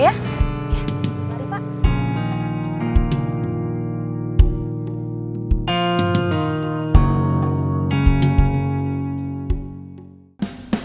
iya mari pak